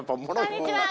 こんにちは！